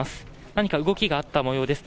何か動きがあったもようです。